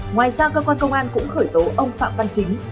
ngoài ra cơ quan công an cũng khởi tố ông phạm văn chính